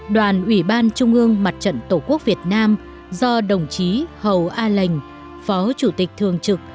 đoàn ủy ban trung ương mặt trận tổ quốc việt nam do đồng chí hầu a lệnh phó chủ tịch thường trực